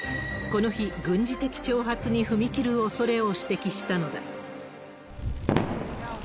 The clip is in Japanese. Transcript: この日、軍事的挑発に踏み切るおそれを指摘したのだ。